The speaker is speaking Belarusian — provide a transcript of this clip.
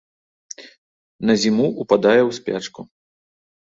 На зіму ўпадае ў спячку.